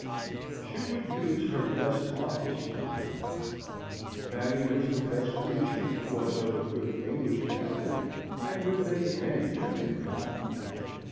She would use her best offices with Mountain. Fanny was the best creature, was of a good English family, and would make any gentleman happy.